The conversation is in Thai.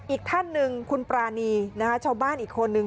อีกท่านหนึ่งคุณปรานีนะคะชาวบ้านอีกคนนึง